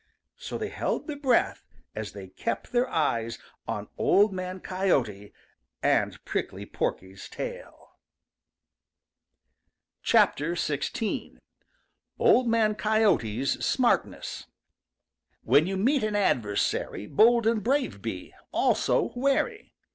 So they held their breath as they kept their eyes on Old Man Coyote and Prickly Porky's tail. XVI. OLD MAN COYOTE'S SMARTNESS When you meet an adversary Bold and brave be, also wary.